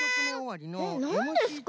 えっなんですか？